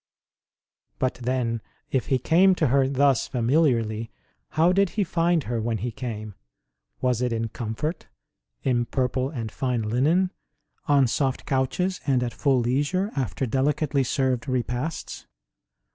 But, then, if He came to her thus familiarly, how did He find her when He came ? Was it in comfort, in purple and fine linen, on soft couches and at full leisure after delicately served repasts